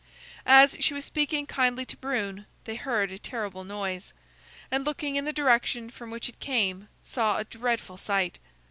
As she was speaking kindly to Brune, they heard a terrible noise, and looking in the direction from which it came, saw a dreadful sight.